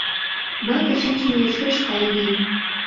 — Мый тышечын йӧршеш кайынем...